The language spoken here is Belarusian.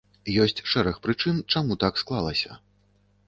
Ёсць шэраг прычын, чаму так склалася.